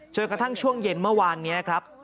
จนกระทั่งช่วงเย็นเมื่อวานนี้ครับ